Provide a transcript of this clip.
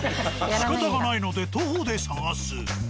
しかたがないので徒歩で探す。